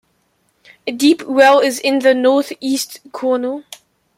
A deep well is in the northeast corner.